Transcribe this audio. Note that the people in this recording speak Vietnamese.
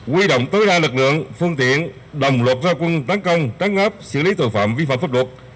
quy động tối đa lực lượng phương tiện đồng luật ra quân tấn công trấn áp xử lý tội phạm vi phạm pháp luật